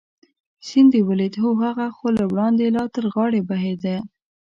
سیند دې ولید؟ هو، هغه خو له وړاندې لا تر غاړې بهېده.